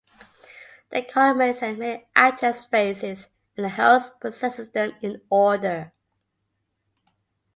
The card may send many address phases, and the host processes them in order.